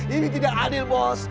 ini tidak adil bos